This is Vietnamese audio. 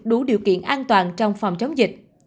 đủ điều kiện an toàn trong phòng chống dịch